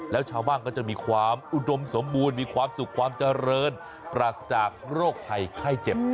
แล้วชาวบ้านก็จะมีความอุดมสมบูรณ์มีความสุขความเจริญปราศจากโรคภัยไข้เจ็บ